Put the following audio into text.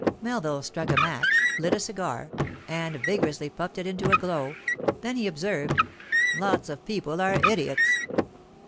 Melville struck a match, lit a cigar, and vigorously puffed it into a glow; then he observed: 'Lots of people are idiots.